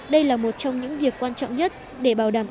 đây là một trong những việc quan trọng nhất để bảo đảm an sinh